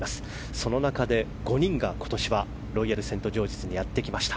その中で、５人が今年はロイヤルセントジョージズにやってきました。